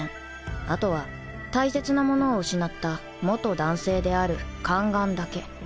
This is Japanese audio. あとは大切なものを失った男性である宦官だけ